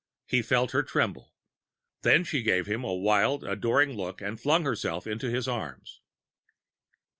He felt her tremble. Then she gave him a wild, adoring look and flung herself into his arms.